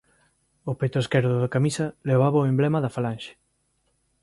O peto esquerdo da camisa levaba o emblema da Falanxe.